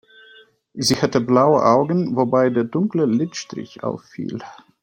Sie hatte blaue Augen, wobei der dunkle Lidstrich auffiel.